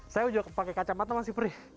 saya udah pakai kacamata masih perih